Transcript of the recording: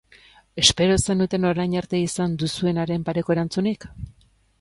Espero zenuten orain arte izan duzuenaren pareko erantzunik?